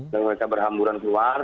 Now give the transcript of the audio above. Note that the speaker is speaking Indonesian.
dan mereka berhamburan keluar